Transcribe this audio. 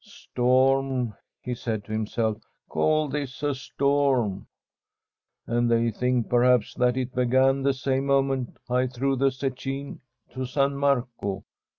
' Storm !' he said to himself —* call this a storm? And they think, perhaps, that it began the same moment I threw the zecchine to San Marco.